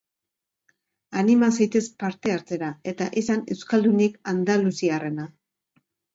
Anima zaitez parte hartzera, eta izan euskaldunik andaluziarrena!